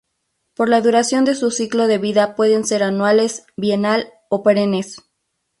Por la duración de su ciclo de vida pueden ser anuales, bienal o perennes.